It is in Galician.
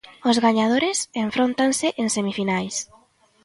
Os gañadores enfrontase en semifinais.